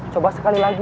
coba sekali lagi